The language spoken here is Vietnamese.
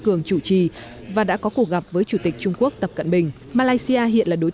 cường chủ trì và đã có cuộc gặp với chủ tịch trung quốc tập cận bình malaysia hiện là đối